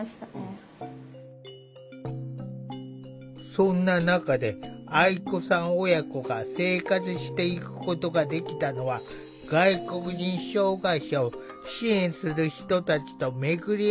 そんな中で愛子さん親子が生活していくことができたのは外国人障害者を支援する人たちと巡り会えたからだという。